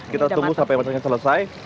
kita tunggu sampai besoknya selesai